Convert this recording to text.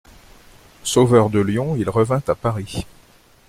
Sauveur de Lyon, il revint à Paris.